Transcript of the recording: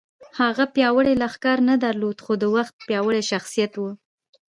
هغه پیاوړی لښکر نه درلود خو د وخت پیاوړی شخصیت و